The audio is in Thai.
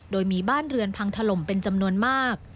โดยมีบ้านเรือนพังถล่มเป็นจำนวนมาก